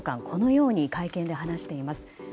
このように会見で話しています。